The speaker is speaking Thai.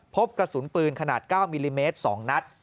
พบกระสุนปืนขนาด๙มิลลิเมตร๒นัด